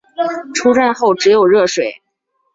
出站后只有热水